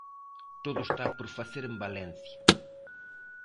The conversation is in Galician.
Todo está por facer en Valencia.